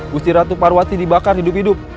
gusti ratu parwati dibakar hidup hidup